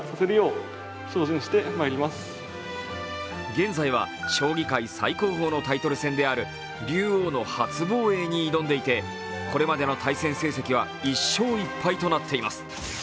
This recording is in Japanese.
現在は将棋界最高峰のタイトル戦である竜王の初防衛に挑んでいてこれまでの対戦成績は１勝１敗となっています。